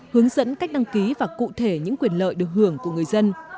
hướng dẫn cách đăng ký và cụ thể những quyền lợi được hưởng của người dân